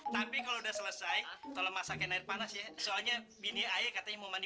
tapi kalau udah selesai kalau masakin air panas ya soalnya bini air katanya mau mandi